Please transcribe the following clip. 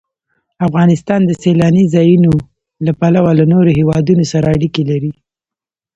افغانستان د سیلانی ځایونه له پلوه له نورو هېوادونو سره اړیکې لري.